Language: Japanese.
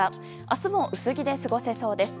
明日も薄着で過ごせそうです。